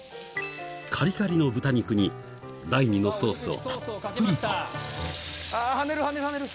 カリカリの豚肉に第２のソースをたっぷりとあ跳ねる跳ねる。